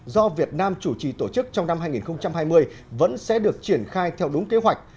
do việt nam chủ trì tổ chức trong năm hai nghìn hai mươi vẫn sẽ được triển khai theo đúng kế hoạch